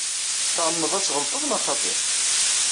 Tɛemmeḍ ad tɣelṭeḍ, neɣ xaṭi?